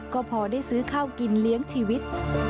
ก็พอได้ซื้อข้าวกินเลี้ยงชีวิต